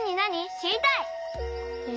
しりたい！え。